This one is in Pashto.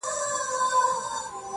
کله هسک ته کله ستورو ته ختلای-